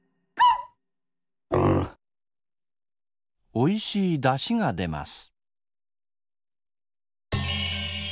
おいしいだしがでます。